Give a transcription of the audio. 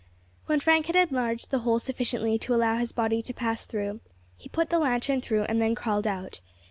When Frank had enlarged the hole sufficiently to allow his body to pass through, he put the lantern through and then crawled out.